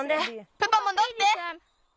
プパもどって！